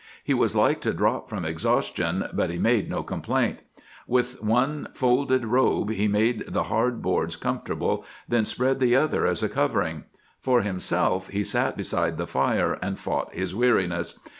He was like to drop from exhaustion, but he made no complaint. With one folded robe he made the hard boards comfortable, then spread the other as a covering. For himself he sat beside the fire and fought his weariness.